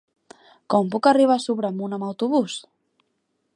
Com puc arribar a Sobremunt amb autobús?